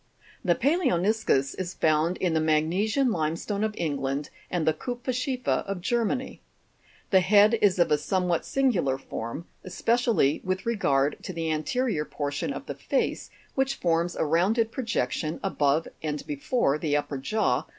The palaoni'scus is found in the magnesian limestone of England and the kupferzchiefer of Germany. The head is of a somewhat singular form, espe cially with regard to the ante rior portion of the face, which forms a rounded projection Fig. 5G.Pal<B<mi sous above and beforc the upper jaw?